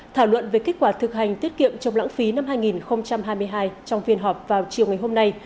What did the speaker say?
thảo luận về kết quả thực hành tiết kiệm chống lãng phí năm hai nghìn hai mươi hai trong phiên họp vào chiều ngày hôm nay